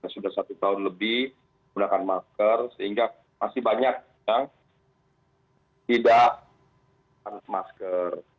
sudah satu tahun lebih menggunakan masker sehingga masih banyak yang tidak menggunakan masker